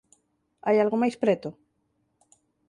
Hai algo máis preto?